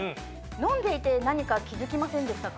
飲んでいて何か気付きませんでしたか？